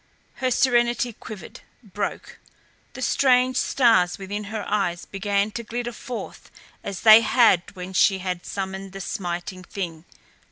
Her serenity quivered, broke. The strange stars within her eyes began to glitter forth as they had when she had summoned the Smiting Thing.